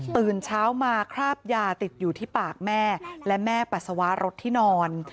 ตื่นเช้ามาคราบยาติดอยู่ที่ปากแม่และแม่ปัสสาวะรถที่นอน